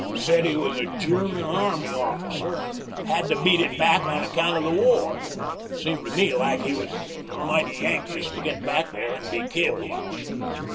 Said he was a German army officer, an' had to beat it back on account of the war. Seemed to me like he was mighty anxious to get back there an' be killed."